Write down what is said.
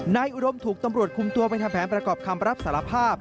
อุดมถูกตำรวจคุมตัวไปทำแผนประกอบคำรับสารภาพ